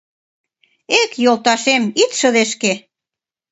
Эк, йолташем, ит шыдешке